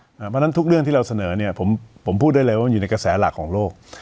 เพราะฉะนั้นทุกเรื่องที่เราเสนอเนี่ยผมพูดได้เลยว่ามันอยู่ในกระแสหลักของโลก